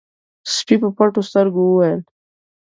سپي په پټو سترګو وويل: